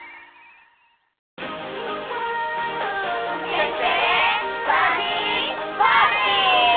天てれサーティースパーティー！